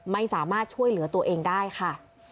ไม่สามารถช่วยเหลือตัวเองได้ค่ะ